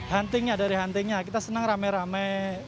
huntingnya dari huntingnya kita senang rame rame